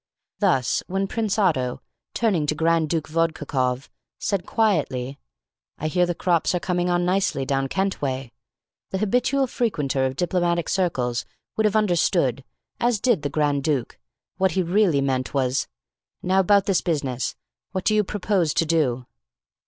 Thus when Prince Otto, turning to Grand Duke Vodkakoff, said quietly, "I hear the crops are coming on nicely down Kent way," the habitual frequenter of diplomatic circles would have understood, as did the Grand Duke, that what he really meant was, "Now about this business. What do you propose to do?"